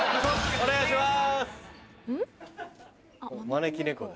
お願いします。